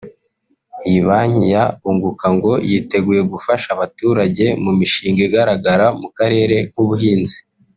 Iyi banki ya Unguka ngo yiteguye gufasha abaturage mu mishinga igaragara mu karere nk’ubuhinzi